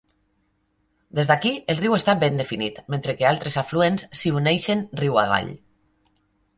Des d'aquí, el riu està ben definit, mentre que altres afluents s'hi uneixen riu avall.